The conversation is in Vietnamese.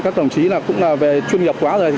các đồng chí cũng là về chuyên nghiệp quá rồi